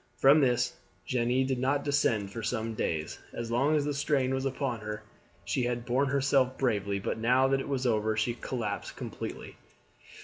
From this Jeanne did not descend for some days. As long as the strain was upon her she had borne herself bravely, but now that it was over she collapsed completely.